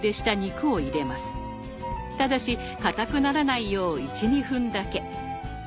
ただしかたくならないよう１２分だけ。